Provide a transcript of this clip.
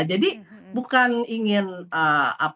jadi bukan ingin melakukan